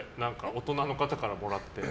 大人の方からもらって。